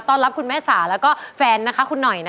ต้อนรับคุณแม่สาแล้วก็แฟนนะคะคุณหน่อย